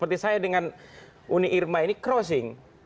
seperti saya dengan uni irma ini crossing